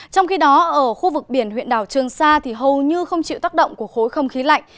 trong khi đó ở khu vực biển huyện đảo trường sa hầu như không chịu tác động của khối không khí lạnh